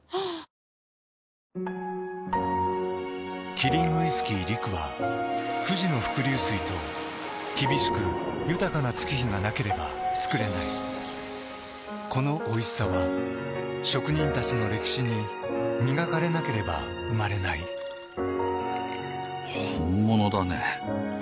キリンウイスキー「陸」は富士の伏流水と厳しく豊かな月日がなければつくれないこのおいしさは職人たちの歴史に磨かれなければ生まれない本物だね。